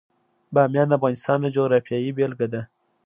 بامیان د افغانستان د جغرافیې بېلګه ده.